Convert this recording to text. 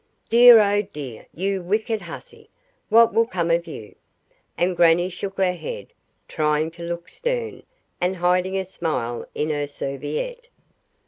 "Dear, oh dear! You wicked hussy, what will become of you!" And grannie shook her head, trying to look stern, and hiding a smile in her serviette.